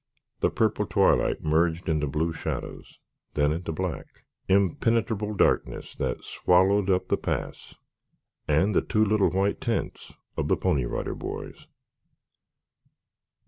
The purple twilight merged into blue shadows, then into black, impenetrable darkness that swallowed up the pass and the two little white tents of the Pony Rider Boys.